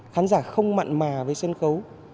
khán giả không mặn mà với sân khấu